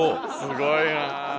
すごいな。